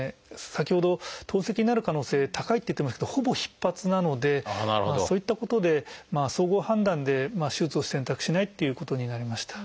先ほど透析になる可能性高いって言ってましたけどほぼ必発なのでそういったことで総合判断で手術を選択しないっていうことになりました。